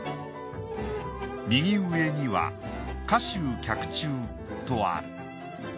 右上には「加州客中」とある。